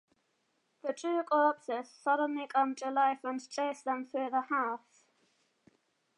The two corpses suddenly come to life and chase them through the house.